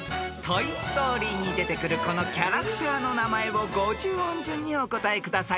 ［『トイ・ストーリー』に出てくるこのキャラクターの名前を五十音順にお答えください］